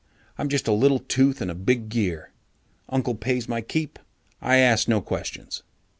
I'm just a little tooth in a big gear. Uncle pays my keep. I ask no questions."